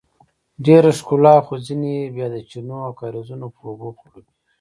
ډیره ښکلا خو ځینې یې بیا د چینو او کاریزونو په اوبو خړوبیږي.